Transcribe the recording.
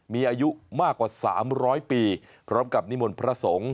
มีอายุมากกว่า๓๐๐ปีพร้อมกับนิมนต์พระสงฆ์